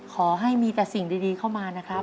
ขอให้มีแต่สิ่งดีเข้ามานะครับ